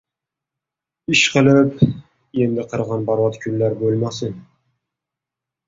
Ishqilib, endi qirg‘inbarot kunlar bo‘lmasin.